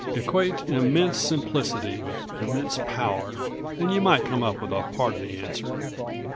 Equate immense simplicity with immense power and you might come up with a part of the answer.